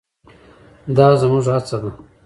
دا زموږ هڅه ده.